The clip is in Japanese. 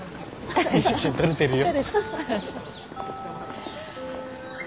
いい写真撮れてるよ。